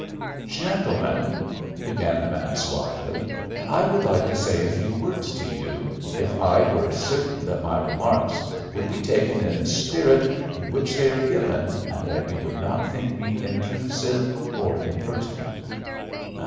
"Gentlemen," began the man suavely, "I would like to say a few words to you if I were certain that my remarks would be taken in the spirit in which they are given, and that you would not think me intrusive or impertinent."